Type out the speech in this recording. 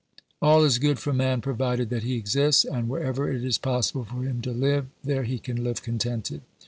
All is good for man provided that he exists, and wherever it is possible for him to live, there he can live contented.